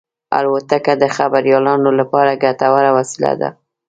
الوتکه د خبریالانو لپاره ګټوره وسیله ده.